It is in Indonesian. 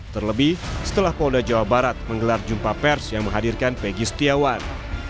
terlebih setelah polda jawa barat menggelar jumpa pers yang menghadirkan peggy setiawan